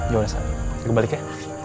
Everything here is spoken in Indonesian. ya udah sam gue balik ya